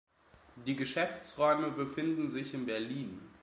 Die Geschäftsräume befinden sich in Berlin.